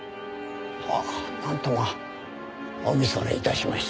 ああなんとまあお見逸れ致しました。